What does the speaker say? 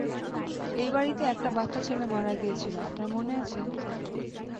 এই বাড়িতে একটা বাচ্চা ছেলে মারা গিয়েছিল, আপনার মনে আছে?